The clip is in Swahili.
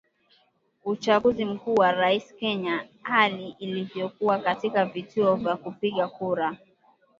Uchaguzi Mkuu wa Urais Kenya hali ilivyokuwa katika vituo vya kupiga kura